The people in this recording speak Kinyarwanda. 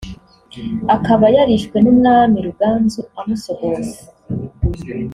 akaba yarishwe n’umwami Ruganzu amusogose